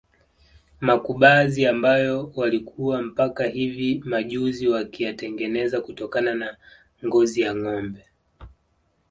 Makubazi ambayo walikuwa mpaka hivi majuzi wakiyatengeneza kutokana na ngozi ya ngombe